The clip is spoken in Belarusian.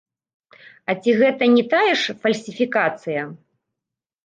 А ці гэта не тая ж фальсіфікацыя?